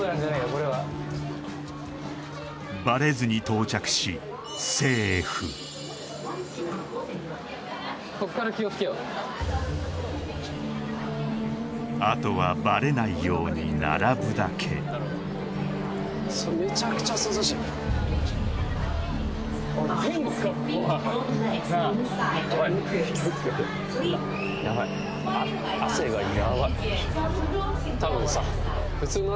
これはバレずに到着しあとはバレないように並ぶだけヤバいたぶんさ